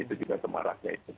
itu juga kemarahnya itu